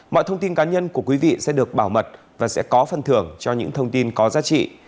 mọi thông tin cá nhân của quý vị sẽ được bảo mật và sẽ có phần thưởng cho những thông tin có giá trị